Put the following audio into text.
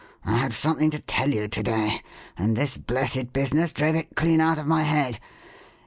I had something to tell you to day, and this blessed business drove it clean out of my head.